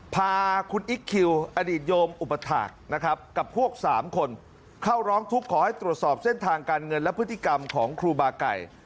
พาคุณอิ๊กคิวอดีตโยมอุปถาคนะครับกับพวกสามคนเข้าร้องทุกข์ขอให้ตรวจสอบเส้นทางการเงินและพฤติกรรมของครูบาไก่